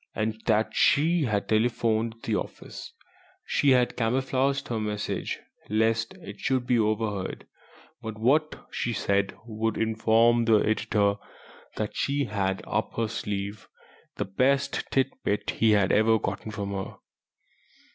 And then she had telephoned the office. She had camouflaged her message, lest it should be overheard, but what she had said would inform the editor that she had up her sleeve the best tit bit he had ever got from her.